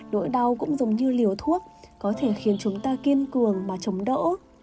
nỗi đau cũng giống như liều thuốc có thể khiến chúng ta kiên cường mà chống đỡ